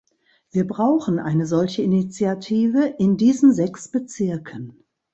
Wir brauchen eine solche Initiative in diesen sechs Bezirken.